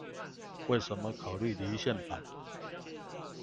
為什麼考慮離線版？